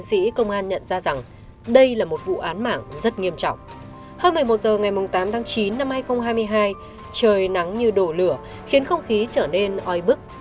tám tháng chín năm hai nghìn hai mươi hai trời nắng như đổ lửa khiến không khí trở nên oi bức